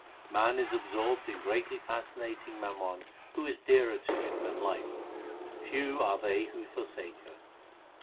Man is absorbed in greatly fascinating mammon who is dearer to him than life : Few are they who forsake her.